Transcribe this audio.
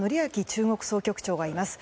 中国総局長がいます。